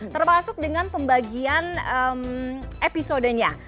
termasuk dengan pembagian episodenya